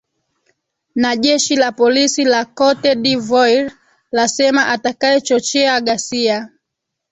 na jeshi la polisi la cote de voire lasema atakaye chochea ghasia